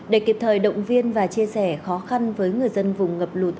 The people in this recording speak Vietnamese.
để kịp thời động viên và chia sẻ khó khăn với người dân vùng ngập lụt